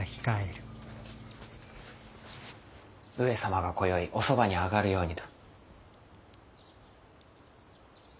上様が今宵おそばに上がるようにと。